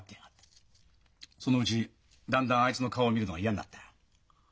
そのうちだんだんあいつの顔を見るのが嫌になったよ。